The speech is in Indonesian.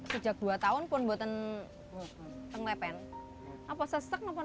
sejak dua tahun pun bu dhani tidak berkumpul